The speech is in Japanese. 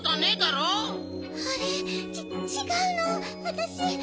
あれっ？ちちがうのわたし。